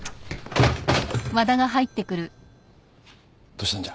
・どうしたんじゃ？